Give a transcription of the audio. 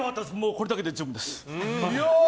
これだけで十分です。